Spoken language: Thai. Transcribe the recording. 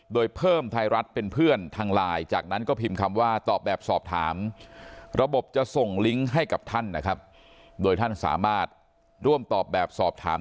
โดยเพิ่มไทยรัฐเป็นเพื่อนทางไลน์จากนั้นก็พิมพ์คำว่าตอบแบบสอบถาม